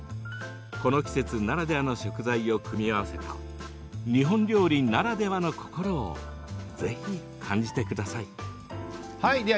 この季節ならではの食材を組み合わせた日本料理ならではの心をぜひ、感じてください。